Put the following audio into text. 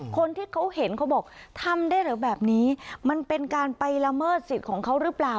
คนที่เขาเห็นเขาบอกทำได้เหรอแบบนี้มันเป็นการไปละเมิดสิทธิ์ของเขาหรือเปล่า